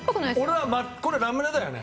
俺はこれラムネだよね？